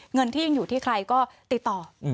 เงินที่ยังอยู่ที่ใครก็ติดต่อ